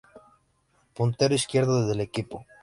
Puntero izquierdo del equipo.